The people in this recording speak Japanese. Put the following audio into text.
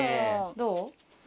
どう？